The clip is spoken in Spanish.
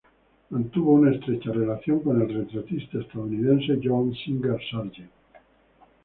Mantuvo una estrecha relación con el retratista estadounidense John Singer Sargent.